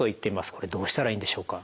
これどうしたらいいんでしょうか。